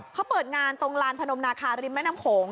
เขาเปิดงานตรงลานพนมนาคาริมแม่น้ำโขง